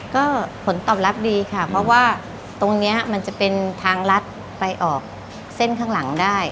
ก็ผลตอบรับดีค่ะเพราะว่าตรงนี้มันจะเป็นทางลัดไปออกเส้นข้างหลังได้